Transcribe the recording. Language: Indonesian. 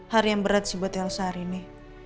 hari yang berat sih buat elsa hari ini